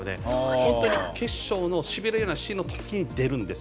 本当に決勝のしびれるシーンのとき出るんです。